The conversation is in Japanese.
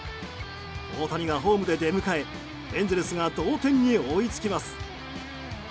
大谷がホームで出迎えエンゼルスが同点に追いつきます。